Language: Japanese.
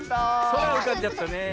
そらうかんじゃったねえ。